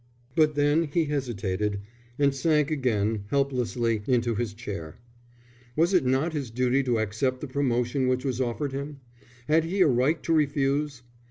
But then he hesitated, and sank again, helplessly, into his chair. Was it not his duty to accept the promotion which was offered him? Had he a right to refuse?